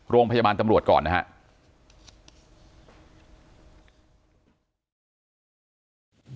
โรงพยาบาลตำรวจก่อนนะครับ